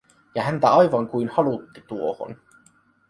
Ja häntä aivan kuin halutti tuohon.